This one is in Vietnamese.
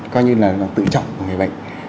coi như là tự trọng người bệnh